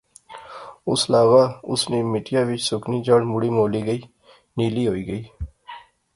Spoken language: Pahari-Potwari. اس لاغا اس نی اس مٹیا وچ سکنی جڑ مڑی مولی گئی، نیلی ہوئی گئی